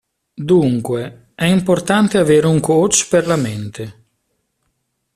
Dunque, è importante avere un coach per la mente.